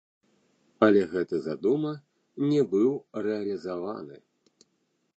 Але гэты задума не быў рэалізаваны.